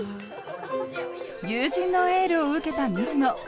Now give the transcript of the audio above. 友人のエールを受けた水野。